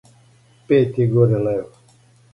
пет је горе лево